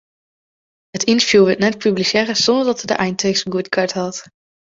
It ynterview wurdt net publisearre sonder dat er de eintekst goedkard hat.